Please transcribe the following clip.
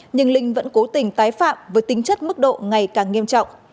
nhưng linh vẫn cố tình tái phạm với tính chất mức độ ngày càng nghiêm trọng